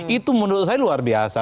itu menurut saya luar biasa